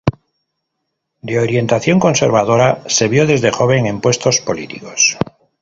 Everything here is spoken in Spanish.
De orientación conservadora, se vio desde joven en puestos políticos.